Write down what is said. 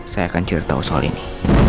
saya akan cerita soal ini